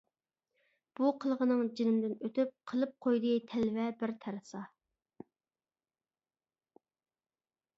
بۇ قىلغىنىڭ جېنىمدىن ئۆتۈپ، قىلىپ قويدى تەلۋە بىر تەرسا.